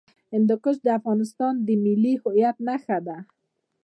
هندوکش د افغانستان د ملي هویت نښه ده.